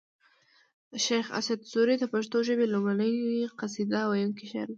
شیخ اسعد سوري د پښتو ژبې لومړنۍ قصیده ویونکی شاعر و